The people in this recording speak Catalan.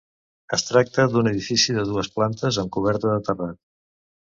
Es tracta d'un edifici de dues plantes amb coberta de terrat.